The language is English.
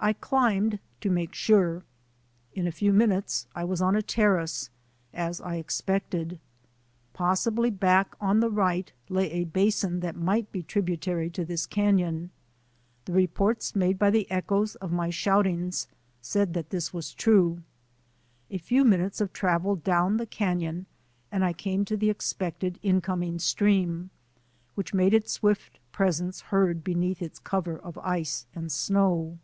I climbed to make sure. In a few minutes I was on a terrace — as I expected. Possibly back on the right lay a basin that might be tributary to this canon. The re ports made by the echoes of my shoutings said that this was true. A few minutes of travel down the canon and I came to the expected incoming stream, which made its swift presence heard beneath its cover of ice and snow.